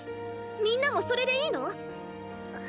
みんなもそれでいいの？